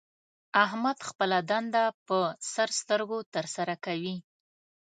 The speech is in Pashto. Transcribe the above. احمد خپله دنده په سر سترګو تر سره کوي.